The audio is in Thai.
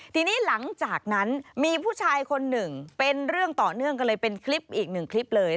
ทีนี้หลังจากนั้นมีผู้ชายคนหนึ่งเป็นเรื่องต่อเนื่องก็เลยเป็นคลิปอีกหนึ่งคลิปเลย